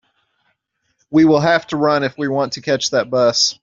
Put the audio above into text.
We will have to run if we want to catch that bus.